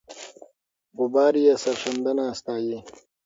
غبار یې سرښندنه ستایي.